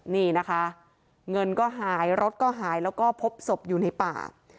นี่นะคะเงินก็หายรถก็หายแล้วก็พบศพอยู่ในป่า